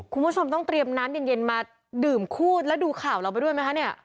คุณผู้ชมต้องเตรียมน้ำเย็นมาดื่มคู่แล้วดูข่าวเราไปด้วยไหมคะเนี่ย